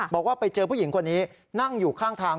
บอกว่าไปเจอผู้หญิงคนนี้นั่งอยู่ข้างทาง